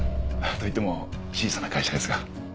といっても小さな会社ですが。